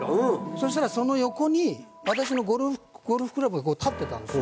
そしたらその横に私のゴルフクラブが立ってたんです。